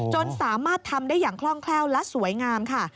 จนสามารถทำได้อย่างคล่องแคล่วและสวยงามค่ะ